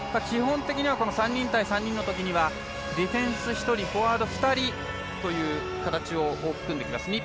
基本的には３人対３人のときにはディフェンス１人フォワード１人という形をとってきます。